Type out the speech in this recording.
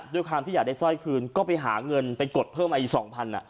ด้วยความที่อยากได้สร้อยคืนก็ไปหาเงินไปกดเพิ่มมาอีก๒๐๐บาท